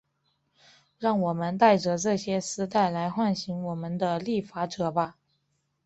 让我们戴着这丝带来唤醒我们的立法者吧。